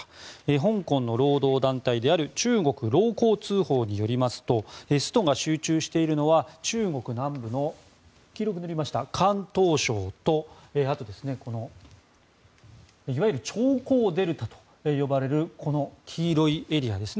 香港の労働団体である中国労工通報によりますとストが集中しているのは中国南部の広東省といわゆる長江デルタと呼ばれるこの黄色いエリアです。